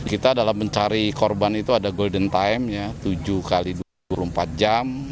kita dalam mencari korban itu ada golden time tujuh x dua puluh empat jam